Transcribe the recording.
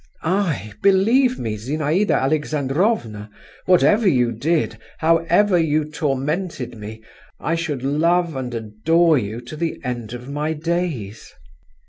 "I? Believe me, Zinaïda Alexandrovna, whatever you did, however you tormented me, I should love and adore you to the end of my days."